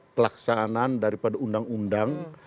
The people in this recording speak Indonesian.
pelaksanaan daripada undang undang